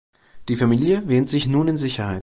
Die Familie wähnt sich nun in Sicherheit.